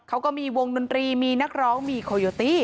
เขาก็มีวงดนตรีมีนักร้องมีโคโยตี้